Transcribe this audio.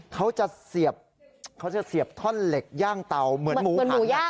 เขาจะเสียบท่อนเหล็กย่างเตาเหมือนหมูหาน